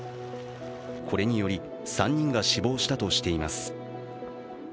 これにより３人が死亡したとしています。